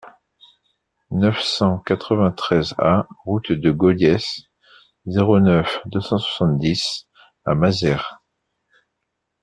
neuf cent quatre-vingt-treize A route de Gaudiès, zéro neuf, deux cent soixante-dix à Mazères